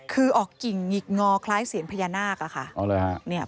คือออกกิ่งหงิกงอคล้ายเสียงพญานาคอะค่ะ